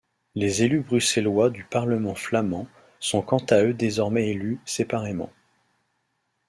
Les élus bruxellois du Parlement flamand sont quant à eux désormais élus séparément.